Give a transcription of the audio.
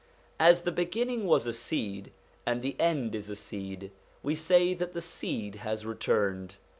As the beginning was a seed and the end is a seed, we say that the seed has returned.